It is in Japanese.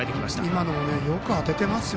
今のもよく当てていますよ